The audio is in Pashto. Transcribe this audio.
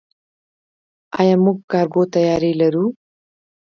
آیا موږ کارګو طیارې لرو؟